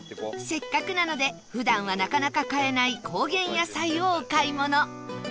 せっかくなので普段はなかなか買えない高原野菜をお買い物